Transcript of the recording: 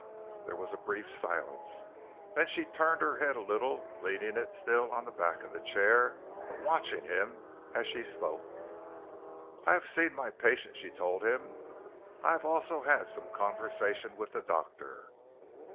There was a brief silence. Then she turned her head a little, leaning it still on the back of the chair but watching him as she spoke. "I have seen my patient," she told him. "I have also had some conversation with the doctor."